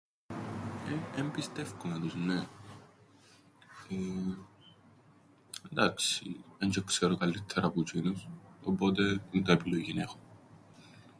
Εμπιστεύκουμαι τους, νναι. Αφού, ντάξει, έντζ̆ε ξέρω καλλύττερα που τζ̆είνους, οπότε, ίντα επιλογήν έχω;